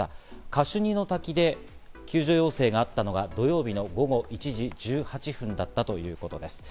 カシュニの滝で救助要請があったのが土曜日の午後１時１８分だったということです。